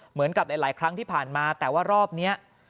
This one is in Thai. เหมือนกับหลายครั้งที่ผ่านมาแต่ว่ารอบนี้